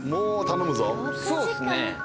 そうっすね。